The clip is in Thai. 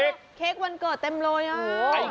เค้กวันเกิดเต็มเลยอ่ะ